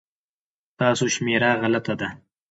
ستاسو شمېره غلطه ده